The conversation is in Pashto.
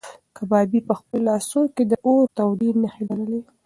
کبابي په خپلو لاسو کې د اور تودې نښې لرلې.